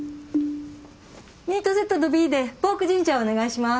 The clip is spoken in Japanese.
ミートセットのＢでポークジンジャーお願いします。